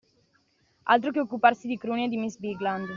Altro che occuparsi di Cruni e di miss Bigland.